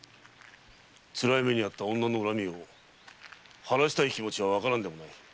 つらい女の恨みを晴らしたい気持ちはわからんでもない。